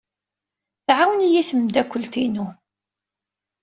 Tɛawen-iyi tmeddakelt-inu.